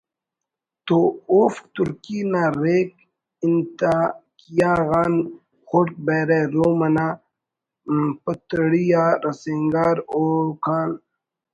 تو اوفک ترکی نا ریک انطاکیہ غان خڑک بحرہ روم انا پتڑی آ رسینگار اوکان